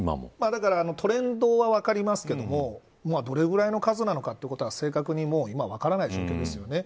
だからトレンドは分かりますけどもどれぐらいの数なのかは正確に今は分からない状況ですよね。